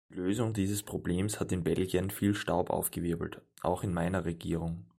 Die Lösung dieses Problems hat in Belgien viel Staub aufgewirbelt, auch in meiner Regierung.